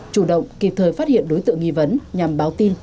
chủ động kịp thời phát hiện đối tượng nghi vấn nhằm báo tin